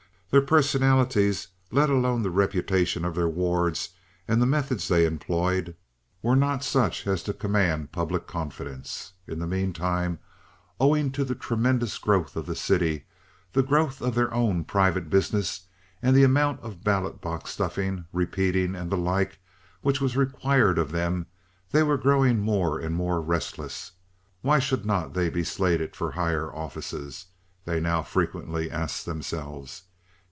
Their personalities, let alone the reputation of their wards and the methods they employed, were not such as to command public confidence. In the mean time, owing to the tremendous growth of the city, the growth of their own private business, and the amount of ballot box stuffing, repeating, and the like which was required of them, they were growing more and more restless. Why should not they be slated for higher offices? they now frequently asked themselves.